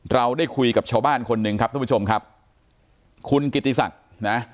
เราได้คุยกับชาวบ้านคนหนึ่งครับทุกผู้ชมครับคุณกิติศักดิ์นะ